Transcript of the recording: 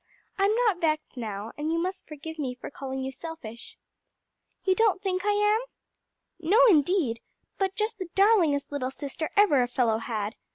"I'm not vexed now, and you must forgive me for calling you selfish." "You don't think I am?" "No, indeed! but just the darlingest little sister ever a fellow had.